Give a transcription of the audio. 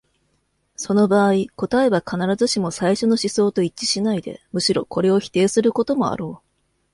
その場合、答えは必ずしも最初の思想と一致しないで、むしろこれを否定することもあろう。